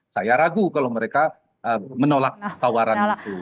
saya ragu kalau mereka menolak tawaran itu